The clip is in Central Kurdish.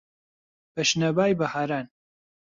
بە شنەبای بەهاران